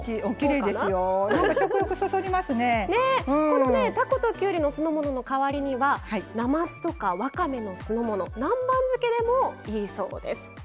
このねたこときゅうりの酢の物の代わりにはなますとかわかめの酢の物南蛮漬けでもいいそうです。